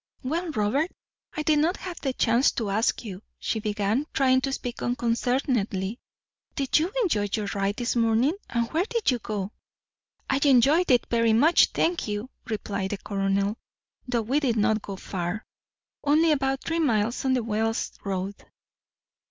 "Well, Robert, I did not have the chance to ask you," she began, trying to speak unconcernedly; "did you enjoy your ride this morning, and where did you go?" "I enjoyed it very much, thank you," replied the Colonel, "though we did not go far, only about three miles on the Wells road."